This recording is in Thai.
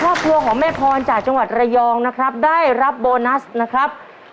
ครอบครัวของแม่พรจากจังหวัดระยองนะครับได้รับโบนัสนะครับ